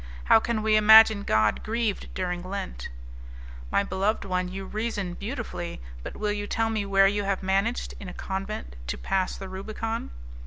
How can we imagine God grieved during Lent?" "My beloved one, you reason beautifully, but will you tell me where you have managed, in a convent, to pass the Rubicon?"